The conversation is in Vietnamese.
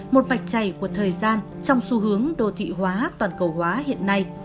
một mạch chày của thời gian trong xu hướng đô thị hóa toàn cầu hóa hiện nay